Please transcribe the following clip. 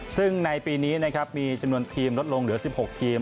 ซึ่งในปีนี้นะครับมีจำนวนทีมลดลงเหลือ๑๖ทีม